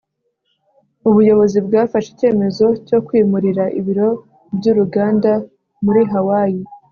ubuyobozi bwafashe icyemezo cyo kwimurira ibiro by'uruganda muri hawaii